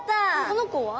この子は？